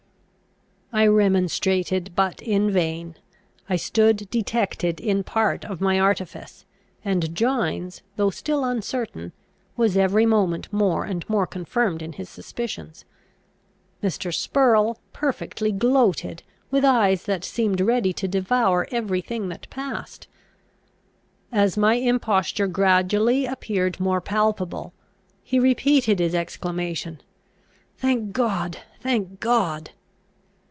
I remonstrated, but in vain. I stood detected in part of my artifice; and Gines, though still uncertain, was every moment more and more confirmed in his suspicions. Mr. Spurrel perfectly gloated, with eyes that seemed ready to devour every thing that passed. As my imposture gradually appeared more palpable, he repeated his exclamation, "Thank God! thank God!"